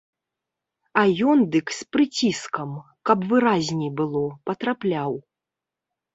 А ён дык з прыціскам, каб выразней было, патрапляў.